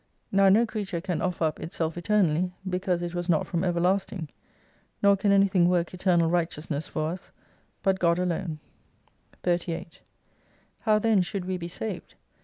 Now no creature can offer up itself eternally, because it was not from everlasting. Nor can anything work Eternal Righteousness for us, but God alone. 38 How then should we be saved